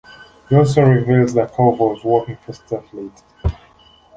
He also reveals that Koval was working for Starfleet.